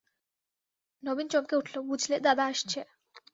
নবীন চমকে উঠল, বুঝলে দাদা আসছে।